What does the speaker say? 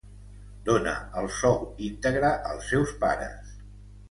Dona el sou íntegre als seus pares.